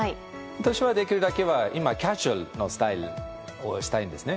私はできるだけは今カジュアルなスタイルをしたいんですね。